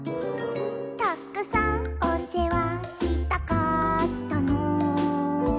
「たくさんお世話したかったの」